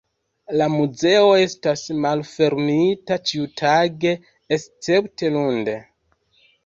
La muzeo estas malfermita ĉiutage escepte lunde.